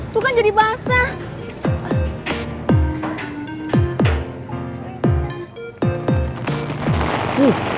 tuh kan jadi basah